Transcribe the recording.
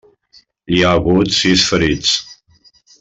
Hi ha hagut sis ferits.